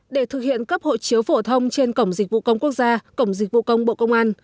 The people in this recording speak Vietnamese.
để thực hiện cấp hộ chiếu phổ thông trên cổng dịch vụ công quốc gia cổng dịch vụ công bộ công an